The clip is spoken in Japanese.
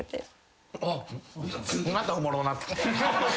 またおもろなってきた。